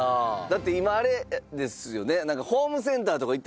だって今あれですよね？